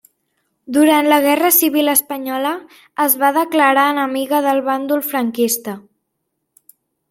Durant la Guerra Civil Espanyola es va declarar enemiga del bàndol franquista.